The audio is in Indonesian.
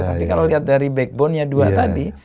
tapi kalau lihat dari backbone nya dua tadi